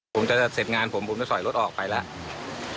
ผมจะเสร็จงานผมผมจะสอยรถออกไปแล้ว